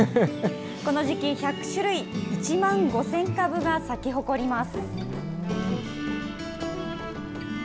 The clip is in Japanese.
この時期、１００種類、１万５０００株が咲き誇ります。